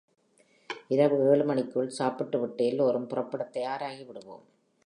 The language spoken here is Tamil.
இரவு ஏழு மணிக்குள் சாப்பிட்டுவிட்டு எல்லோரும் புறப்படத் தயாராகி விடுவோம்.